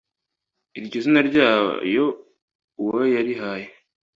Iryo zina ryayo uwo yarihaye